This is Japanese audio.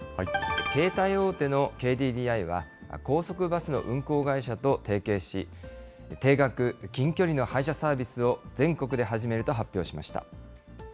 携帯大手のＫＤＤＩは、高速バスの運行会社と提携し、定額・近距離の配車サービスを全国で始めると発表しました。